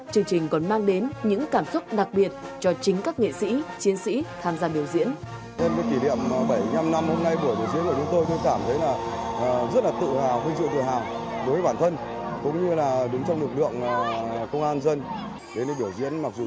chương trình còn mang đến những cảm xúc đặc biệt cho chính các nghệ sĩ chiến sĩ tham gia biểu diễn